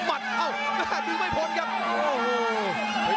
พยายามจะตึกกับมันเลย